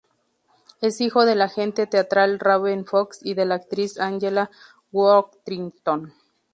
Es hijo del agente teatral Robin Fox y de la actriz Angela Worthington.